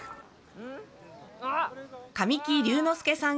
神木隆之介さん